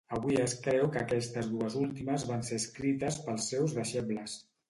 Avui es creu que aquestes dues últimes van ser escrites pels seus deixebles.